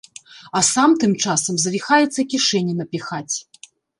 А сам тым часам завіхаецца кішэні напіхаць.